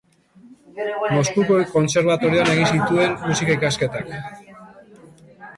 Moskuko kontserbatorioan egin zituen musika ikasketak.